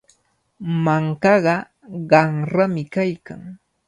Mankaqa qanrami kaykan.